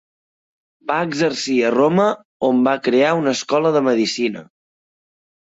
Va exercir a Roma, on va crear una escola de medicina.